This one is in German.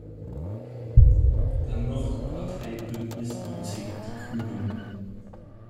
Dann noch die Partei Bündnis neunzig die Grünen.